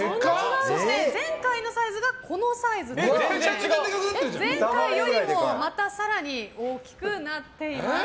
そして、前回のサイズがこのサイズで前回よりもまた更に大きくなっています。